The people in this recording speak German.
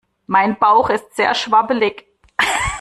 Mein Bauch ist sehr schwabbelig.